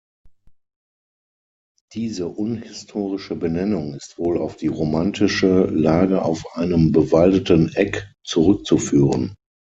Diese unhistorische Benennung ist wohl auf die romantische Lage auf einem "bewaldeten Eck" zurückzuführen.